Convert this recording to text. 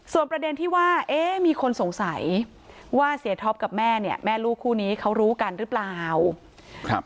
ส่วนประเด็นที่ว่าเอ๊ะมีคนสงสัยว่าเสียท็อปกับแม่เนี่ยแม่ลูกคู่นี้เขารู้กันหรือเปล่าครับ